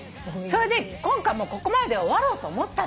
それで今回もうここまでで終わろうと思った。